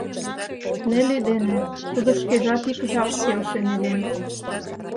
Нелли дене тудо шкежат ик жап келшен илен.